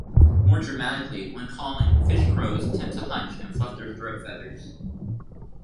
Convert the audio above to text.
More dramatically, when calling, fish crows tend to hunch and fluff their throat feathers.